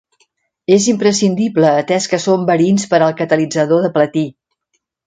És imprescindible atès que són verins per al catalitzador de platí.